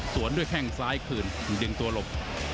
สวนด้วยแข้งซ้ายคืนดึงตัวหลบ